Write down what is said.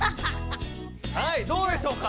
はいどうでしょうか？